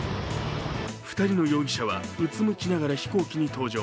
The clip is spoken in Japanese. ２人の容疑者は、うつむきながら飛行機に搭乗。